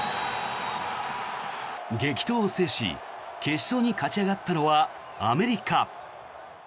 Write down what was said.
激闘を制し決勝に勝ち上がったのはアメリカ。